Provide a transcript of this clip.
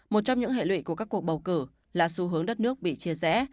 một trong những hệ lụy của các cuộc bầu cử là xu hướng đất nước bị chia rẽ